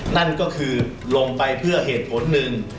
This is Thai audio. นั่นก็คือลงไปเพื่อเหตุผลหนึ่ง